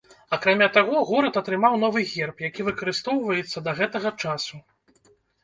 Акрамя таго, горад атрымаў новы герб, які выкарыстоўваецца да гэтага часу.